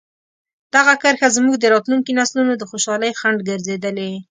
دغه کرښه زموږ د راتلونکي نسلونو د خوشحالۍ خنډ ګرځېدلې.